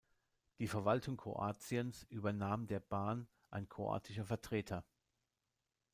Die Verwaltung Kroatiens übernahm der "Ban", ein kroatischer Vertreter.